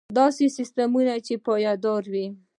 داسې سیستم چې پایدار وي.